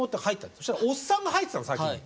そしたらおっさんが入ってたの先に。